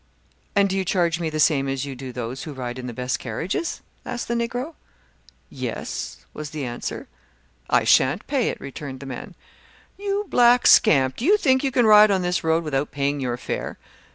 "And do you charge me the same as you do those who ride in the best carriages?" asked the Negro. "Yes," was the answer. "I shan't pay it," returned the man. "You black scamp, do you think you can ride on this road without paying your fare?"